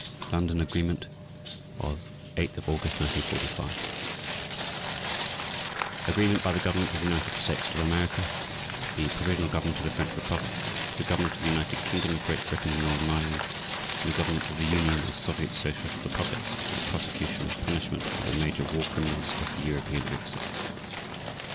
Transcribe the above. LONDON AGREEMENT OF 8 AUGUST 1945 _Agreement by the Government of the United States of America, the Provisional Government of the French Republic, the Government of the United Kingdom of Great Britain and Northern Ireland, and the Government of the Union of Soviet Socialist Republics for the Prosecution and Punishment of the Major War Criminals of the European Axis.